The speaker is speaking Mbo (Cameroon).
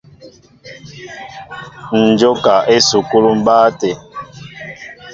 Ǹ jóka esukúlu mbáá tê.